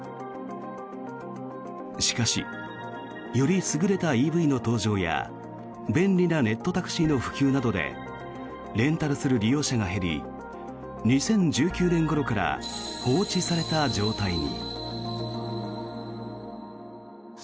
しかし、より優れたＥＶの登場や便利なネットタクシーの普及などでレンタルする利用者が減り２０１９年ごろから放置された状態に。